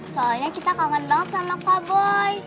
soalnya kita kangen banget sama kak boy